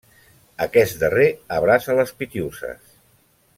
Aquest darrer abraça les Pitiüses.